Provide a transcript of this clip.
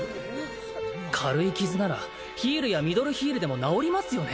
軽い傷ならヒールやミドルヒールでも治りますよね？